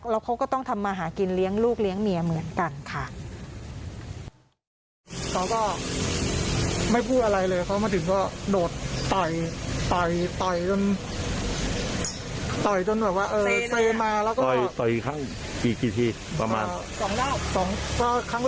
แล้วเขาก็ต้องทำมาหากินเลี้ยงลูกเลี้ยงเมียเหมือนกันค่ะ